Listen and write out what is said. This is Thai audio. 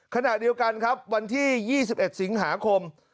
ขณะเดียวกันครับวันที่๒๑สิงหาคม